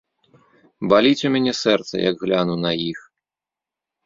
Баліць у мяне сэрца, як гляну на іх.